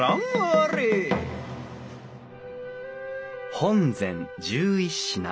本膳１１品。